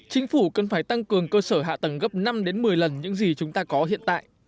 chính phủ cần phải tăng cường cơ sở hạ tầng gấp năm một mươi lần những gì chúng ta có hiện tại